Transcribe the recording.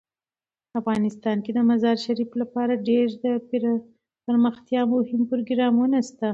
افغانستان کې د مزارشریف لپاره ډیر دپرمختیا مهم پروګرامونه شته دي.